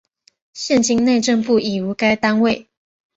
现今内政部已无该单位。